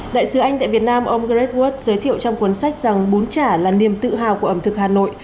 đại sứ anh tại việt nam ông gred wood giới thiệu trong cuốn sách rằng bún chả là niềm tự hào của ẩm thực hà nội